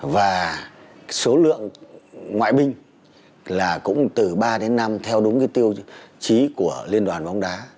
và số lượng ngoại binh là cũng từ ba đến năm theo đúng cái tiêu chí của liên đoàn bóng đá